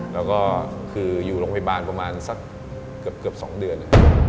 แล้วก็คืออยู่โรงพยาบาลประมาณสักเกือบ๒เดือน